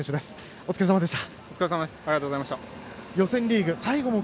お疲れさまでした。